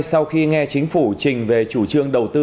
sau khi nghe chính phủ trình về chủ trương đầu tư